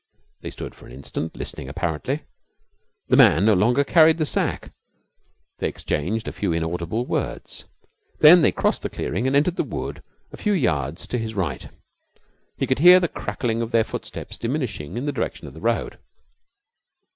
They stood for an instant, listening apparently. The man no longer carried the sack. They exchanged a few inaudible words. Then they crossed the clearing and entered the wood a few yards to his right. He could hear the crackling of their footsteps diminishing in the direction of the road.